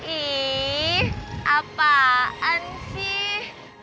ih apaan sih